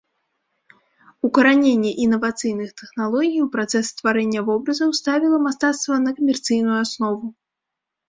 Укараненне інавацыйных тэхналогій у працэс стварэння вобразаў ставіла мастацтва на камерцыйную аснову.